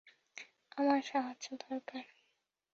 আমার সাহায্য দরকার।